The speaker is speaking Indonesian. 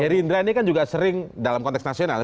dari indra ini kan juga sering dalam konteks nasional